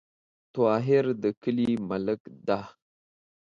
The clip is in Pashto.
طاهر د کلې ملک ده